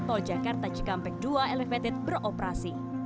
tol jakarta cikampek dua elevated beroperasi